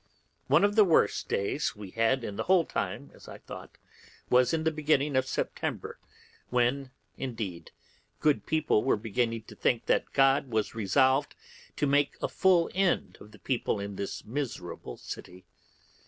One of the worst days we had in the whole time, as I thought, was in the beginning of September, when, indeed, good people began to think that God was resolved to make a full end of the people in this miserable city.